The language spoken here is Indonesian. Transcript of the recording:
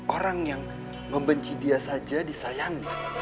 orang yang membenci dia saja disayangi